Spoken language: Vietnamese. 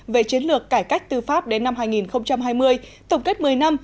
về chiến lược cải cách tư pháp đến năm hai nghìn hai mươi tổng kết một mươi năm